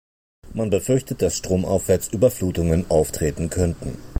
Man befürchtet, dass stromaufwärts Überflutungen auftreten könnten.